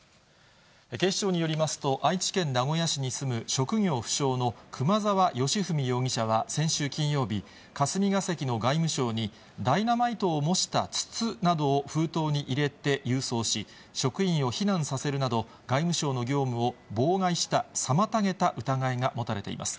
警視庁によりますと、愛知県名古屋市に住む職業不詳の熊沢良文容疑者は先週金曜日、霞が関の外務省に、ダイナマイトを模した筒などを封筒に入れて郵送し、職員を避難させるなど、外務省の業務を妨害した、妨げた疑いが持たれています。